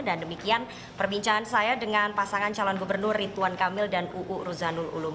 dan demikian perbincangan saya dengan pasangan calon gubernur ritwan kamil dan uu ruzanul ulum